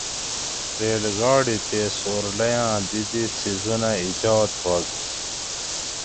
ریل گاڑی تے سورلئی آۤں دی دی څیزونہ ایجاد ہوگ